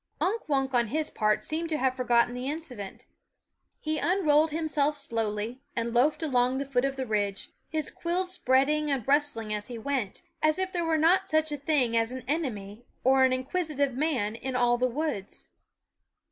Unk Wunk, on his part, seemed to have forgotten the incident. He unrolled himself slowly, and loafed along the foot of the ridge, his quills spreading and rustling as he went, as if there were not such a thing as an enemy or an inquisitive man in all the woods.